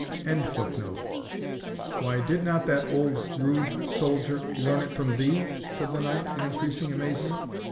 ] "Why, did not that old rude soldier learn it from thee?" said the knight, in increasing amazement.